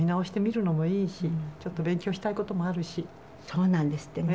「そうなんですってね」